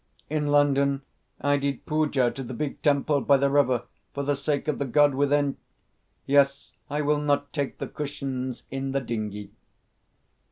In London I did poojah to the big temple by the river for the sake of the God within. ... Yes, I will not take the cushions in the dinghy."